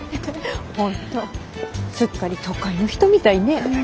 本当すっかり都会の人みたいね。